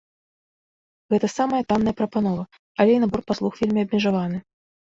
Гэта самая танная прапанова, але і набор паслуг вельмі абмежаваны.